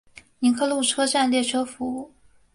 尼克路车站列车服务。